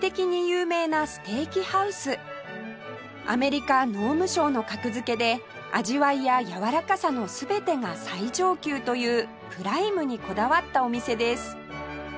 アメリカ農務省の格付けで味わいややわらかさの全てが最上級というプライムにこだわったお店です